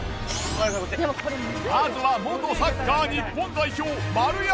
まずは元サッカー日本代表丸山。